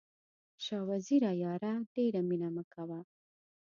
شاه وزیره یاره ډېره مینه مه کوه.